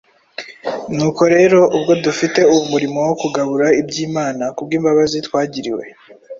Nuko rero, ubwo dufite uwo murimo wo kugabura iby’Imana kubw’imbabazi twagiriwe,